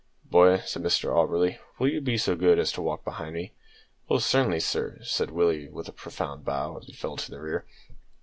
"Boy," said Mr Auberly, "will you be so good as to walk behind me?" "Oh, cer'nly, sir," said Willie, with a profound bow, as he fell to the rear.